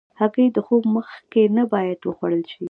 هګۍ د خوب مخکې نه باید وخوړل شي.